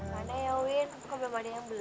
mana ya win kok belum ada yang beli